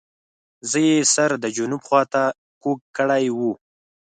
زه یې سر د جنوب خواته کوږ کړی وو.